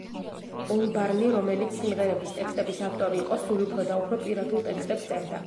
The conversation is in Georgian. ოლბარნი, რომელიც სიმღერების ტექსტების ავტორი იყო, სულ უფრო და უფრო პირადულ ტექსტებს წერდა.